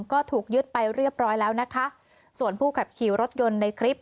ก็ถูกยึดไปเรียบร้อยแล้วนะคะส่วนผู้ขับขี่รถยนต์ในคลิป